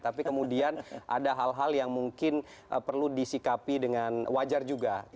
tapi kemudian ada hal hal yang mungkin perlu disikapi dengan wajar juga